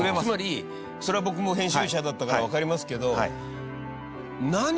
つまりそれは僕も編集者だったからわかりますけど。